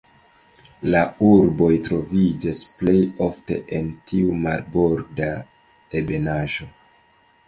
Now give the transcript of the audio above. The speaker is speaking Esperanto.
La urboj troviĝas plej ofte en tiu marborda ebenaĵo.